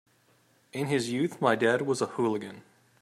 In his youth my dad was a hooligan.